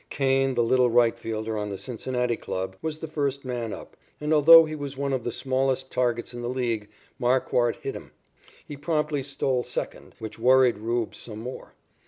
Kane, the little rightfielder on the Cincinnati club, was the first man up, and, although he was one of the smallest targets in the league, Marquard hit him. He promptly stole second, which worried "Rube" some more.